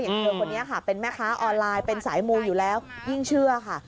เธอคนนี้ค่ะเป็นแม่ค้าออนไลน์เป็นสายมูอยู่แล้วยิ่งเชื่อค่ะ